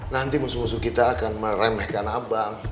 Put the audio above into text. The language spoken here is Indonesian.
nanti musuh musuh kita akan meremehkan abang